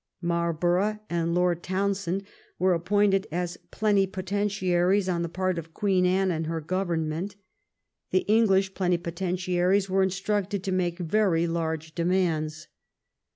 Marlborough and Lord Townshend were appointed as plenipotentiaries on the part of Queen Anne and her government. The English plenipotentiaries were instructed to make very large demands.